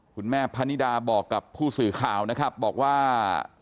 พานิดาบอกกับผู้สื่อข่าวนะครับบอกว่า